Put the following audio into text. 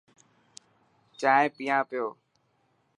چائي پيان پيو.